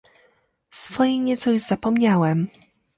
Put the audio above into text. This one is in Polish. "swojej nieco już zapomniałem."